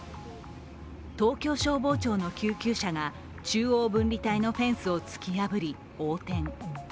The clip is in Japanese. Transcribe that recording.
東京消防庁の救急車が中央分離帯のフェンスを突き破り横転。